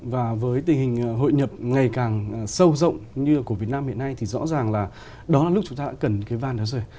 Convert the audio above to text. và với tình hình hội nhập ngày càng sâu rộng như của việt nam hiện nay thì rõ ràng là đó là lúc chúng ta đã cần cái van đó rồi